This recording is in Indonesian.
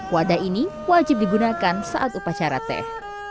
wadah ini wajib digunakan saat upacara teh